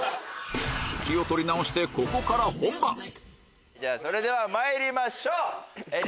気を取り直してここから本番それではまいりましょう。